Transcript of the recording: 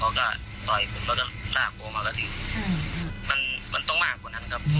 เขาก็ต่อยผมแล้วก็ลากโกงมาก็ถึงมันมันต้องมากกว่านั้นครับ